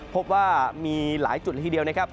พบว่ามีหลายจุดละทีเดียวนะครับ